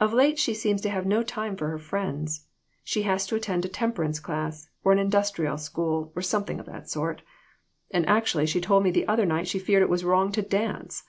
Of late she seems to have no time for her friends. She has to attend a temperance class, or an industrial school, or something of that sort. And actually she told me the other night she feared it was wrong to dance.